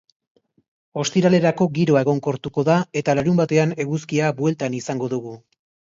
Ostiralerako giroa egonkortuko da eta larunbatean eguzkia bueltan izango dugu.